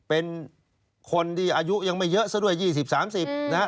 เป็นคนที่อายุยังไม่เยอะซะด้วย๒๐๓๐นะฮะ